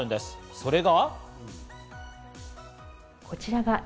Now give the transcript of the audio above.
それが。